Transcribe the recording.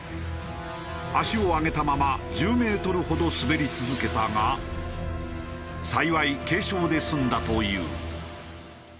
足を上げたまま１０メートルほど滑り続けたが幸い軽傷で済んだという。